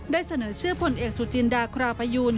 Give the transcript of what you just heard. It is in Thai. ได้เสนอเชื่อผลเอกสุจิณดาคราพยูล